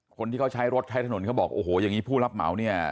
คนที่เขาใช้รถใช้ถนนเขาบอกโอ้โหอย่างนี้ผู้รับเหมาเนี่ย